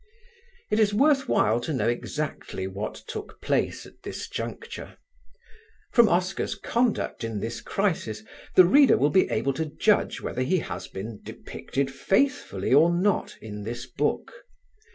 It is worth while to know exactly what took place at this juncture. From Oscar's conduct in this crisis the reader will be able to judge whether he has been depicted faithfully or not in this book.